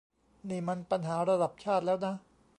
นี่มันปัญหาระดับชาติแล้วนะ